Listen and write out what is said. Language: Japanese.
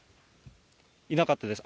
いなかったです。